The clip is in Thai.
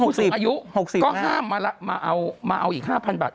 ก็ห้ามมาเอาอีก๕๐๐๐บาท